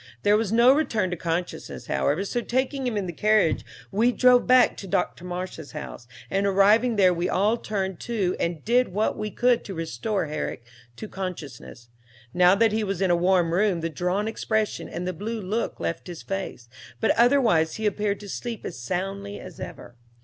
There was no return to consciousness, however, so taking him in the carriage we drove back to Dr. Marsh's house, and arriving there we all turned to and did what we could to restore Herrick to consciousness. Now that he was in a warm room the drawn expression and the blue look left his face, but otherwise he appeared to sleep as soundly as ever.